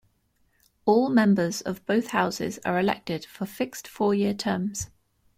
All members of both houses are elected for fixed four year terms.